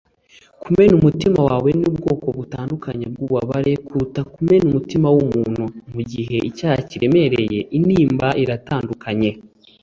kumena umutima wawe ni ubwoko butandukanye bwububabare kuruta kumena umutima wumuntu. mugihe icyaha kiremereye, intimba iratandukanye